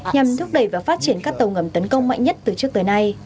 nhằm thúc đẩy và phát triển các tàu ngầm tấn công mạnh nhất từ trước tới nay